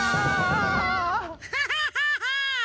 ハハハハ！